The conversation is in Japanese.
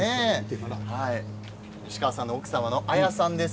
西川さんの奥様の文さんです。